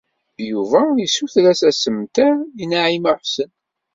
Yuba yessuter-as asemter i Naɛima u Ḥsen.